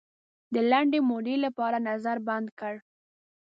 د لنډې مودې لپاره نظر بند کړ.